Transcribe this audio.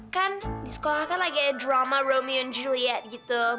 kan di sekolah kan lagi drama romeo and juliet gitu